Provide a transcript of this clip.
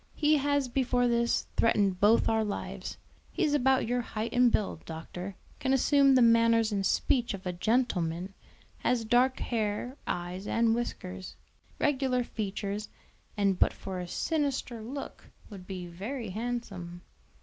He has before this threatened both our lives. He is about your height and build, doctor; can assume the manners and speech of a gentleman; has dark hair, eyes, and whiskers, regular features, and but for a sinister look would be very handsome."